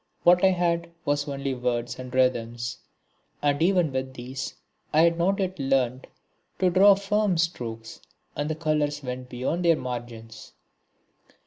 What I had was only words and rhythms, and even with these I had not yet learnt to draw firm strokes, and the colours went beyond their margins.